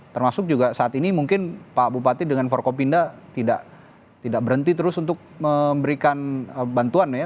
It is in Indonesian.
termasuk juga saat ini mungkin pak bupati dengan forkopinda tidak berhenti terus untuk memberikan bantuan ya